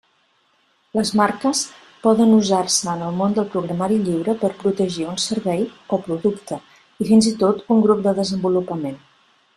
Les marques poden usar-se en el món del programari lliure per protegir un servei o producte i fins i tot un grup de desenvolupament.